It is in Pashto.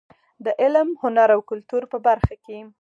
د علم، هنر او کلتور په برخه کې.